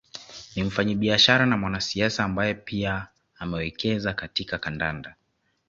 Ni mfanyabiashara na mwanasiasa ambaye pia amewekeza katika kandanda